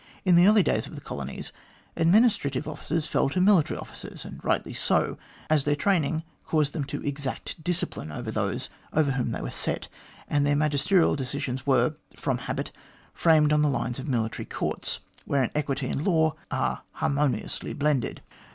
In the early days of the colonies administrative offices fell to military officers, and rightly so, as their training caused them to exact discipline amongst those over whom they were set, and their magisterial decisions were, from habit, framed on the lines of military courts, wherein equity and law are harmoniously blended.